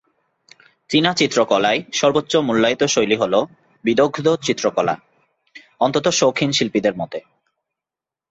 চীনা চিত্রকলায় সর্বোচ্চ মূল্যায়িত শৈলী হলো "বিদগ্ধ-চিত্রকলা", অন্তত শৌখিন শিল্পীদের মতে।